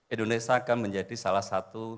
indonesia akan menjadi salah satu